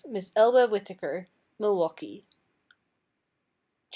Miss Elba Whittaker, Milwaukee; 200 yds.